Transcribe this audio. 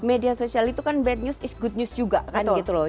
media sosial itu kan bad news is good news juga kan gitu loh